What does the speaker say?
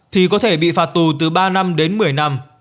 thì có thể bị phạt tù từ ba năm đến một mươi năm